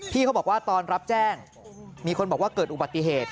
เขาบอกว่าตอนรับแจ้งมีคนบอกว่าเกิดอุบัติเหตุ